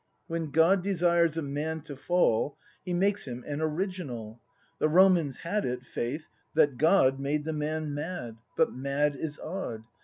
When God desires a man to fall He makes him an Original; The Romans had it, 'faith, that God Made the man mad; but mad is odd.